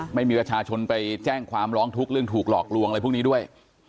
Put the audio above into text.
ไม่มีประชาชนไปแจ้งความร้องทุกข์เรื่องถูกหลอกลวงอะไรพวกนี้ด้วย